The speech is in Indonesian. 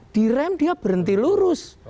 di rem dia berhenti lurus